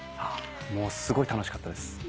もうすごい楽しかったです。